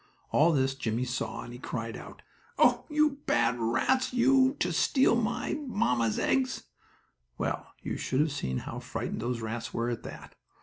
All this Jimmie saw, and he cried out: "Oh, you bad rats, you, to steal my mamma's eggs!" Well, you should have seen how frightened those rats were at that!